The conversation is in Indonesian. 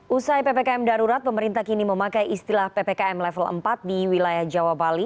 usai ppkm darurat pemerintah kini memakai istilah ppkm level empat di wilayah jawa bali